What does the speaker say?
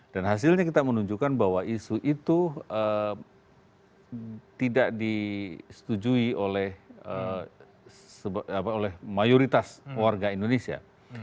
dan hasilnya kita menunjukkan bahwa isu itu tidak disetujui oleh mayoritas warga indonesia